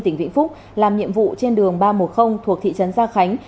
tỉnh vĩnh phúc làm nhiệm vụ trên đường ba trăm một mươi thuộc thị trấn gia khánh